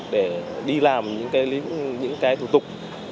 để đi làm những cái thủ tục